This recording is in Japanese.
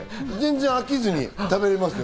飽きずに食べられますよ。